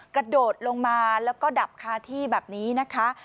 กระโดดลงมาแล้วก็ดับคาที่แบบนี้นะคะ